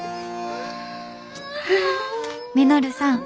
「稔さん。